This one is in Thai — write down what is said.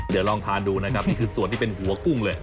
เดี๋ยวลองทานดูนะครับนี่คือส่วนที่เป็นหัวกุ้งเลย